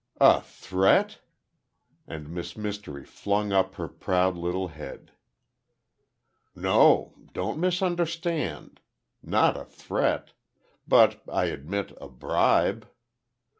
"A threat?" and Miss Mystery flung up her proud little head. "No; don't misunderstand. Not a threat. But I admit, a bribe.